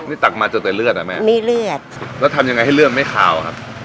นี่ตักมาจนแต่เลือดอ่ะแม่มีเลือดแล้วทำยังไงให้เลือดไม่ขาวครับ